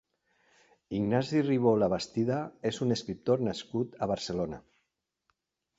Ignasi Ribó Labastida és un escriptor nascut a Barcelona.